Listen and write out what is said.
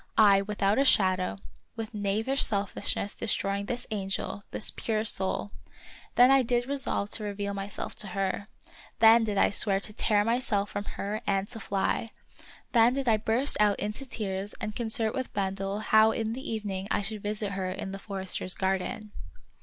— I, without a shadow, with knavish selfishness de stroying this angel, this pure soul. Then did I of Peter SchlemihL 45 resolve to reveal myself to her; then did I swear to tear myself from her and to fly; then did I burst out into tears and concert with Bendel how in the evening I should visit her in the forester's garden.